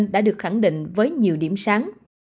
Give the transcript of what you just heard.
đã được khẳng định với nhiều điểm sáng